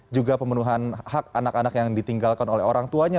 juga pemenuhan hak anak anak yang ditinggalkan oleh orang tuanya